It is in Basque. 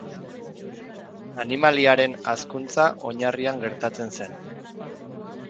Animaliaren hazkuntza oinarrian gertatzen zen.